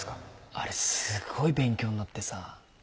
あれすごい勉強になってさ。